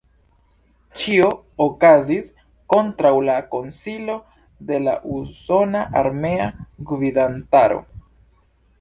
Ĉio okazis kontraŭ la konsilo de la usona armea gvidantaro.